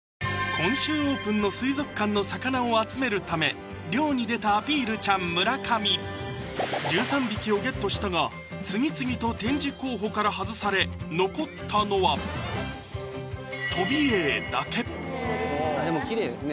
今週オープンの水族館の魚を集めるため漁に出たアピールちゃん・村上１３匹をゲットしたが次々と展示候補から外され残ったのはでもきれいですね